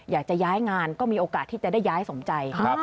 อยากจะย้ายงานก็มีโอกาสที่จะได้ย้ายสมใจ